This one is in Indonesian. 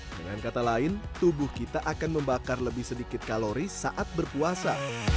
dengan kata lain tubuh kita akan membakar lebih sedikit kalori saat berpuasa